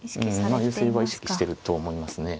まあ優勢は意識してると思いますね。